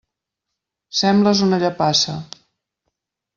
Sembles una llepassa.